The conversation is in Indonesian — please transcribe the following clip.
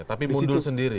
tapi mundur sendiri